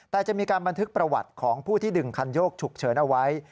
แต่จะมีการบันทึกประวัติของผู้ที่ดึงคันโยกฉุกเฉินเอาไว้